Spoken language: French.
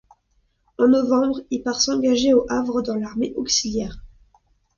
En novembre, il part s’engager au Havre dans l’armée auxiliaire.